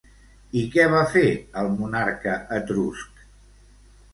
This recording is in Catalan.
I què va fer el monarca etrusc?